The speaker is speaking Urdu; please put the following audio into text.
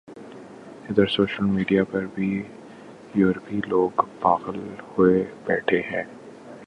ادھر سوشل میڈیا پر بھی یورپی لوگ پاغل ہوئے بیٹھے ہیں